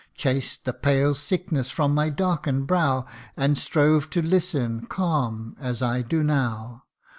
Chased the pale sickness from my darken'd brow, And strove to listen, calm as I do now